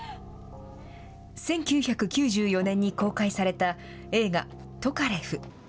１９９４年に公開された映画、トカレフ。